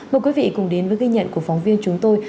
mời quý vị cùng đến với ghi nhận của phóng viên chúng tôi